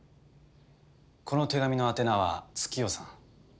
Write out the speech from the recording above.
この手紙の宛名は月代さん。